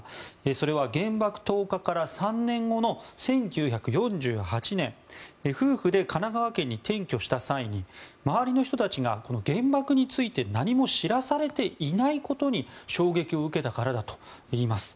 それは原爆投下から３年後の１９４８年夫婦で神奈川県に転居した際に周りの人たちが原爆について何も知らされていないことに衝撃を受けたからだといいます。